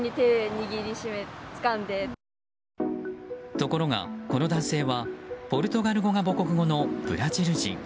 ところが、この男性はポルトガル語が母国語のブラジル人。